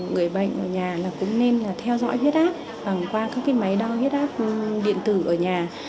người bệnh ở nhà là cũng nên là theo dõi huyết áp bằng qua các cái máy đau huyết áp điện tử ở nhà